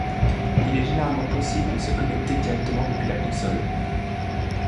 Il est généralement possible de se connecter directement depuis la console.